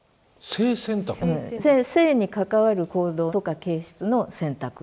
性に関わる行動とか形質の選択。